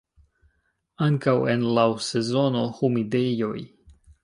Ankaŭ en laŭsezone humidejoj.